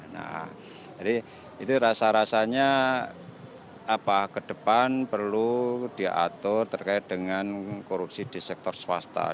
nah jadi itu rasa rasanya ke depan perlu diatur terkait dengan korupsi di sektor swasta